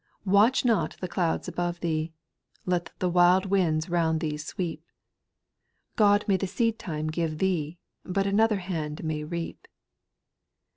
Watch not the clouds above thee, Let the wild winds round thee sweep ; God may the seed time give thee. But another hand may reap.